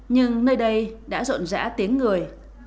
nhưng nơi đây đã rộn rã tiếng người